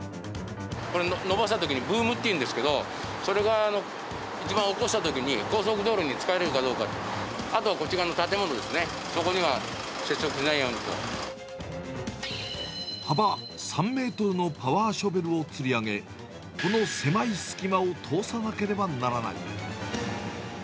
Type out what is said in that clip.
これ、伸ばしたときにブームっていうんですけど、それが一番起こしたときに、高速道路にぶつかるかどうか、あとはこっち側の建物ですね、幅３メートルのパワーショベルをつり上げ、この狭い隙間を通さなければならない。